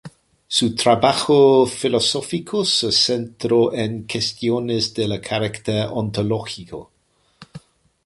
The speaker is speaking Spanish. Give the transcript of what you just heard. Su trabajo filosófico se centró en cuestiones de carácter ontológico.